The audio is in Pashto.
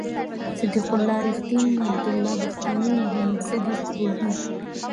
صد یق الله رېښتین، عبد الله بختاني، محمد صدیق روهي